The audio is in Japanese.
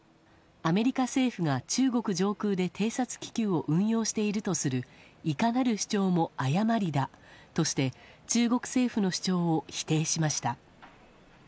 アメリカ政府が中国上空で偵察気球を運用しているとするいかなる主張も誤りだとして中国政府の主張を否定しました。